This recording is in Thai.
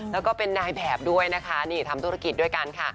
แล้วก็เป็นนายแบบด้วยนะคะนี่ทำธุรกิจด้วยกันค่ะ